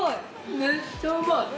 めっちゃうまい！